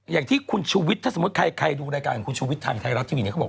อย่างที่คุณชูวิทย์ถ้าสมมุติใครดูรายการของคุณชูวิทย์ทางไทยรัฐทีวีเนี่ยเขาบอก